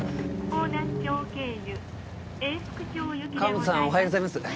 川本さんおはようございます。